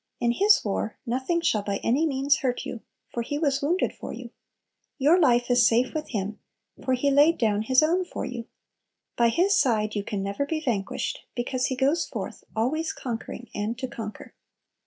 In His war "nothing shall by any means hurt you," for "He was wounded" for you. Your life is safe with Him, for He laid down His own for you. By His side you can never be vanquished, because He goes forth "always conquering and to conquer."